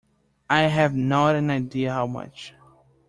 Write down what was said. I have not an idea how much.